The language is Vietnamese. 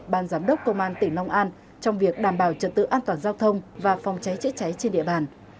ban giám đốc công an tỉnh long an trong việc đảm bảo trật tự an toàn giao thông và phòng cháy chữa cháy trên địa bàn